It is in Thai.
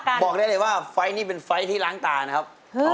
บอกได้เลยว่าไฟล์นี้เป็นไฟล์ที่ล้างตานะครับ